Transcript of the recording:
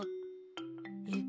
えっ？